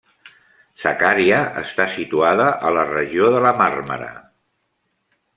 Sakarya està situada a la regió de la Màrmara.